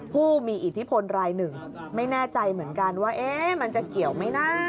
ผู้มีอิทธิพลรายหนึ่งไม่แน่ใจเหมือนกันว่ามันจะเกี่ยวไหมนะ